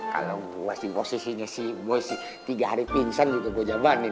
kalo gue sih ngosisinya sih boy sih tiga hari pingsan juga gue jamanin